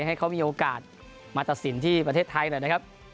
ให้เขามีโอกาสมาตัดสินที่ประเทศไทยหน่อยนะครับ